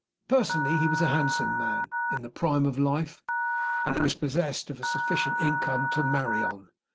Personally he was a handsome man, in the prime of life; and he was possessed of a sufficient income to marry on.